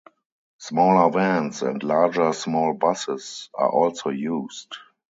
Smaller vans and larger small buses are also used.